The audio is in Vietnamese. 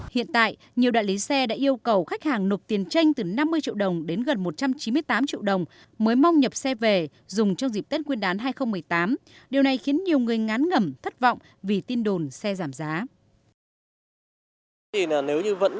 hiện tại nhiều đại lý xe đã yêu cầu khách hàng nộp tiền tranh từ năm mươi triệu đồng đến gần một trăm chín mươi tám triệu đồng mới mong nhập xe về dùng trong dịp tết nguyên đán hai nghìn một mươi tám điều này khiến nhiều người ngán ngẩm thất vọng vì tin đồn xe giảm giá